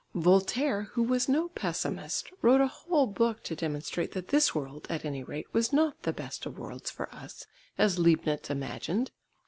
Voltaire, who was no pessimist, wrote a whole book to demonstrate that this world, at any rate, was not the best of worlds for us, as Leibnitz imagined.